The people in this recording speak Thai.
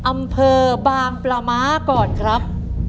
อำเภอบางปลาม้าก่อนครับ